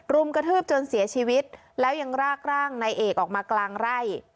รุมกระทืบจนเสียชีวิตแล้วยังรากร่างนายเอกออกมากลางไร่